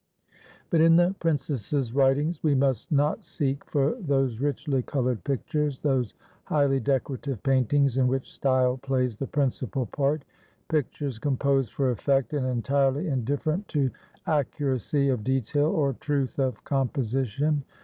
But in the princess's writings we must not seek for those richly coloured pictures, those highly decorative paintings in which style plays the principal part pictures composed for effect, and entirely indifferent to accuracy of detail or truth of composition.